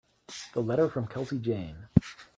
The letter from Kelsey Jane.